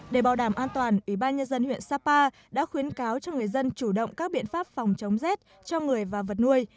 để bảo đảm an toàn ủy ban nhân dân huyện sapa đã khuyến cáo cho người dân chủ động các biện pháp phòng chống rét cho người và vật nuôi